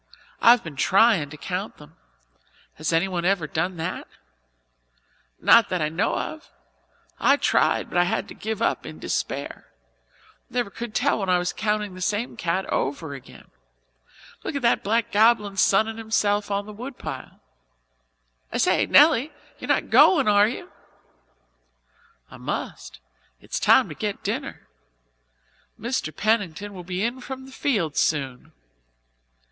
I've been tryin' to count them. Has anyone ever done that?" "Not that I know of. I tried but I had to give up in despair never could tell when I was counting the same cat over again. Look at that black goblin sunning himself on the woodpile. I say, Nelly, you're not going, are you?" "I must. It's time to get dinner. Mr. Pennington will be in from the fields soon."